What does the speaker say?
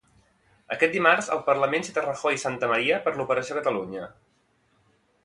Aquest dimarts, el Parlament cita Rajoy i Santamaría per l'operació Catalunya.